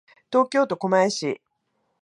東京都狛江市